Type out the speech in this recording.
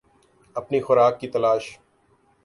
اپنی خوراک کی تلاش